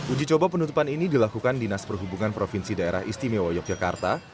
uji coba penutupan ini dilakukan dinas perhubungan provinsi daerah istimewa yogyakarta